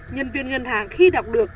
nhân viên ngân hàng khi đọc